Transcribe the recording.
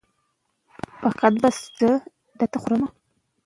په وجود کې د علم څخه ګټه اخیستل د انسانیت لپاره مهم دی.